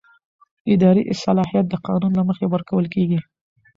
اداري صلاحیت د قانون له مخې ورکول کېږي.